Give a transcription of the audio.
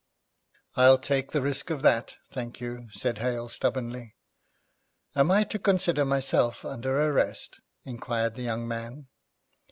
'I'll take the risk of that, thank you,' said Hale stubbornly. 'Am I to consider myself under arrest?' inquired the young man.